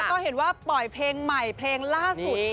ก็เห็นว่าปล่อยเพลงใหม่เพลงล่าสุด